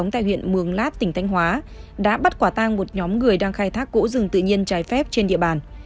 thanh hóa đã bắt quả tang một nhóm người đang khai thác gỗ rừng tự nhiên trái phép trên địa bàn